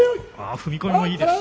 踏み込みもいいです。